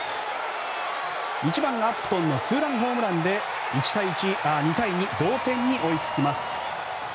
１番、アップトンのツーランホームランで２対２の同点に追いつきます。